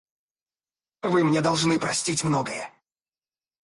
Вы мне должны простить многое.